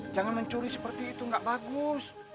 jangan mencuri seperti itu nggak bagus